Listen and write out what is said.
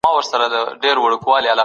د تېرو لسیزو بدبختۍ باید تکرار نه سي.